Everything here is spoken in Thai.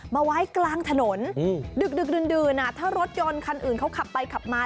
มาไว้กลางถนนดึกดื่นถ้ารถยนต์คันอื่นเขาขับไปขับมา